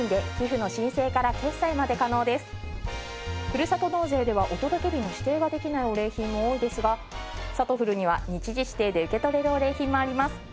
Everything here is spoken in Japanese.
ふるさと納税ではお届け日の指定ができないお礼品も多いですがさとふるには日時指定で受け取れるお礼品もあります。